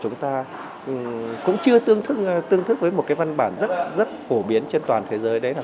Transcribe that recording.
chúng ta cũng chưa tương thức tương thức với một cái văn bản rất rất phổ biến trên toàn thế giới đấy là